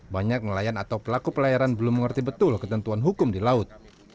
banyak nelayan atau pelaku pelayaran belum mengerti betul ketentuan hukum di laut